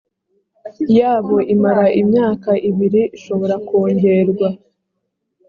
yabo imara imyaka ibiri ishobora kongerwa